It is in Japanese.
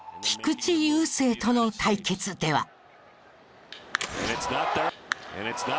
菊池雄星との対決では。